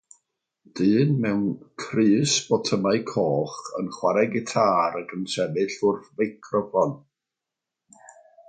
Dyn mewn crys botymau coch yn chwarae gitâr ac yn sefyll wrth feicroffon.